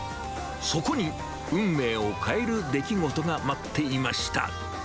そこに、運命を変える出来事が待っていました。